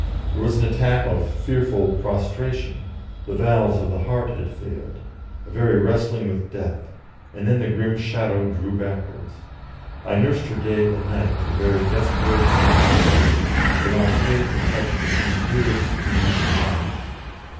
There was an attack of fearful prostration the valves of the heart had failed a very wrestling with Death, and then the grim shadow drew backwards. I nursed her day and night with a very desperation of tenderness, for now Fate had touched the thing dearest to me in life.